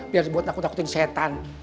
biar buat takut takutin setan